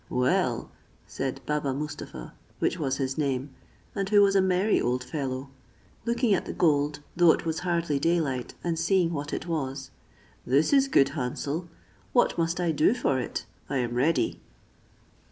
"Well," said Baba Mustapha, which was his name, and who was a merry old fellow, looking at the gold, though it was hardly day light, and seeing what it was, "this is good hansel: what must I do for it? I am ready."